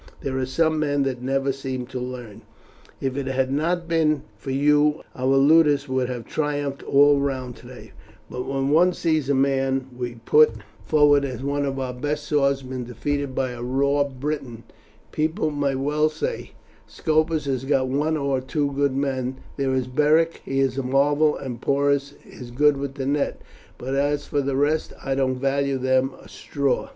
There are some men who never seem to learn. If it had not been for you our ludus would have triumphed all round today; but when one sees a man we put forward as one of our best swordsmen defeated by a raw Briton, people may well say, 'Scopus has got one or two good men; there is Beric, he is a marvel; and Porus is good with the net; but as for the rest, I don't value them a straw."